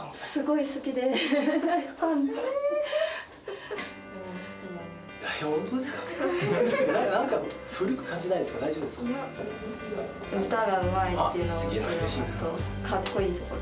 いや、歌がうまいっていうところと、かっこいいところ。